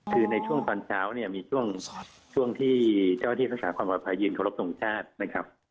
คือในช่วงตอนเช้าเนี่ยมีช่วงที่เจ้าหน้าที่รักษาความปลอดภัยยืนเคารพทรงชาตินะครับ